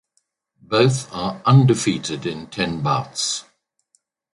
Both are undefeated in ten bouts.